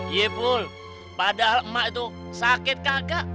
iya bul padahal mak itu sakit kagak